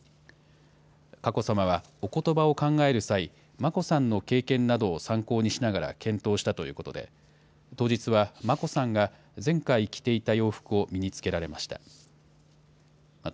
佳子さまは、おことばを考える際、眞子さんの経験などを参考にしながら検討したということで、当日は、眞子さんが前回着ていた洋服を身につけられました。